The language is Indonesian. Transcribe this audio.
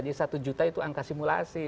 jadi satu juta itu angka simulasi